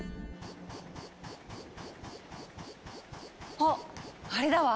あっあれだわ！